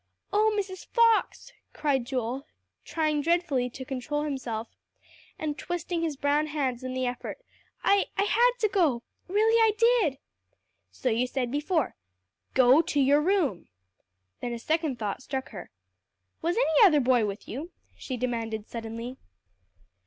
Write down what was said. "Oh Mrs. Fox," cried Joel, trying dreadfully to control himself, and twisting his brown hands in the effort, "I I had to go. Really I did." "So you said before. Go to your room." Then a second thought struck her. "Was any other boy with you?" she demanded suddenly.